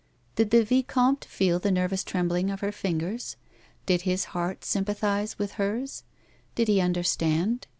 Did the vicomte feel the nervous trembling of her fingers? Did his heart sympathise with hers 1 Did he understand?